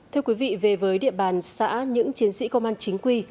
thưa quý vị về với địa bàn xã những chiến sĩ công an chính quy